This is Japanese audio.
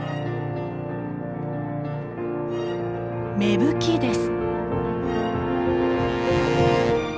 芽吹きです。